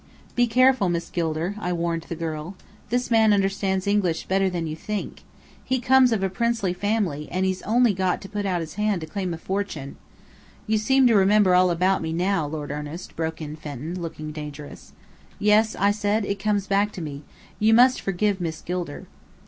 "Be careful, Miss Gilder!" I warned the girl. "This man understands English better than you think. He comes of a princely family and he's got only to put out his hand to claim a fortune " "You seem to remember all about me now, Lord Ernest," broke in Fenton, looking dangerous. "Yes," I said. "It comes back to me. You must forgive Miss Gilder."